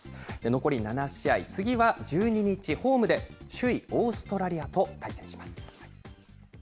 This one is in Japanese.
残り７試合、次は１２日、ホームで首位オーストラリアと対戦します。